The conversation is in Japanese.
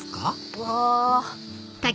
うわ。